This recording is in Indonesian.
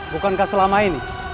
bukankah selama ini